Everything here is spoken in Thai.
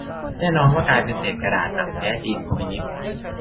แน่นอนว่ากลายเป็นเศษกระดาษหลังแพ้จีนคอมมิวนิสต์